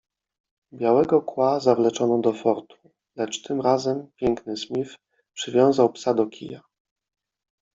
Białego Kła zawleczono do fortu. Lecz tym razem Piękny Smith przywiązał psa do kija.